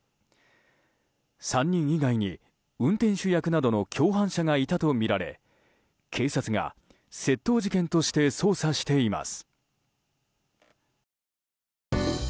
３人以外に、運転手役などの共犯者がいたとみられ警察が窃盗事件として捜査しています。